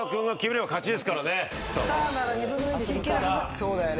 そうだよね。